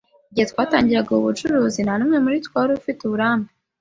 Igihe twatangiraga ubu bucuruzi, nta numwe muri twe wari ufite uburambe.